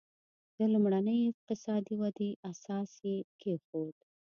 د لومړنۍ اقتصادي ودې اساس یې کېښود.